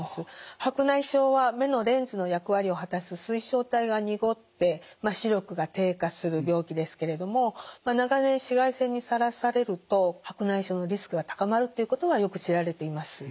白内障は目のレンズの役割を果たす水晶体が濁って視力が低下する病気ですけれども長年紫外線にさらされると白内障のリスクが高まるっていうことはよく知られています。